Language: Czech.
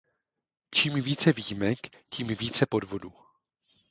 Čím více výjimek, tím více podvodů.